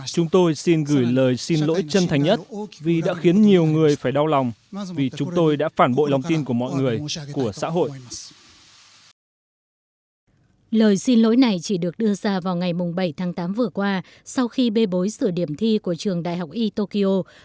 chúng tôi xin gửi lời xin lỗi chân thành nhất vì đã khiến nhiều người phải đau lòng vì chúng tôi đã phản bội lòng tin của mọi người của xã hội